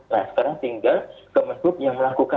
nah sekarang tinggal kemenhub yang melakukan